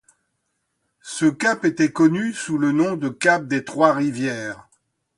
Ce cap était connu sous le nom de cap des Trois-Rivières.